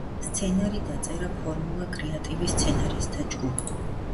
სცენარი დაწერა ფორმულა კრეატივის სცენარისტთა ჯგუფმა.